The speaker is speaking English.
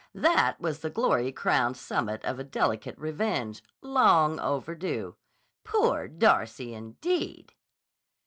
That was the glory crowned summit of a delicate revenge, long overdue. "Poor Darcy," indeed!